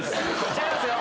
違いますよ